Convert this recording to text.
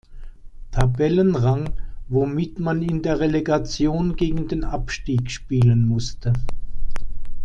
Tabellenrang, womit man in der Relegation gegen den Abstieg spielen musste.